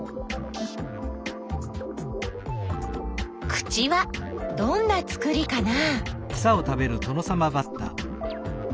口はどんなつくりかな？